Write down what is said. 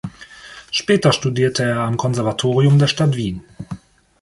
Später studierte er am Konservatorium der Stadt Wien.